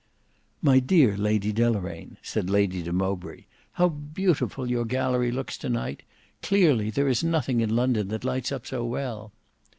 "My dear Lady Deloraine," said Lady de Mowbray. "How beautiful your gallery looks to night! Certainly there is nothing in London that lights up so well."